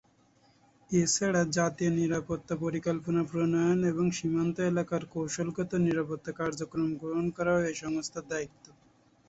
এছাড়া জাতীয় নিরাপত্তা পরিকল্পনা প্রণয়ন এবং সীমান্ত এলাকার কৌশলগত নিরাপত্তা কার্যক্রম গ্রহণ করাও এই সংস্থার দায়িত্ব।